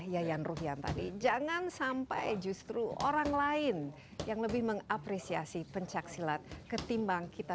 yayan ruhyan tadi jangan sampai justru orang lain yang lebih mengapresiasi pencaksilat ketimbang kita